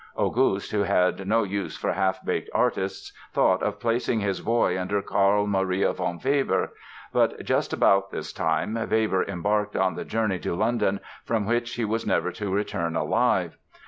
August, who had no use for half baked artists, thought of placing his boy under Karl Maria von Weber. But just about this time Weber embarked on the journey to London from which he was never to return alive.